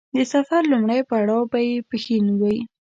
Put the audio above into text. د سفر لومړی پړاو به يې پښين و.